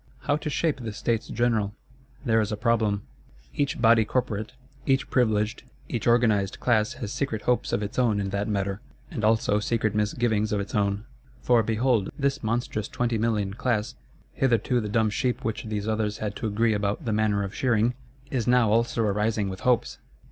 How to shape the States General? There is a problem. Each Body corporate, each privileged, each organised Class has secret hopes of its own in that matter; and also secret misgivings of its own,—for, behold, this monstrous twenty million Class, hitherto the dumb sheep which these others had to agree about the manner of shearing, is now also arising with hopes!